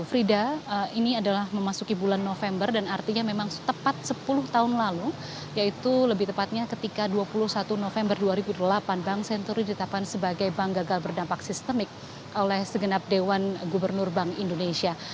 frida ini adalah memasuki bulan november dan artinya memang tepat sepuluh tahun lalu yaitu lebih tepatnya ketika dua puluh satu november dua ribu delapan bank senturi ditetapkan sebagai bank gagal berdampak sistemik oleh segenap dewan gubernur bank indonesia